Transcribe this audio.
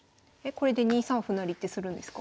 これで２三歩成ってするんですか？